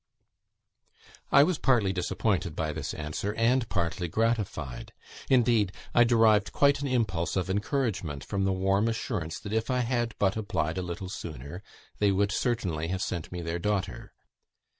I was partly disappointed by this answer, and partly gratified; indeed, I derived quite an impulse of encouragement from the warm assurance that if I had but applied a little sooner they would certainly have sent me their daughter.